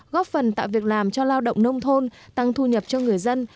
góp phần tạo việc làm cho lao động nông thôn tăng thu nhập cho người dân